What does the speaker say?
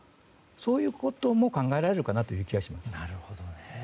そういうことも考えられるかなという気がします。